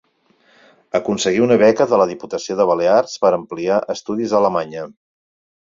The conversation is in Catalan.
Aconseguí una beca de la Diputació de Balears per ampliar estudis a Alemanya.